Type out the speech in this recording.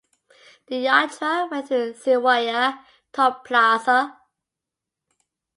The yatra went through Siwaya Toll Plaza.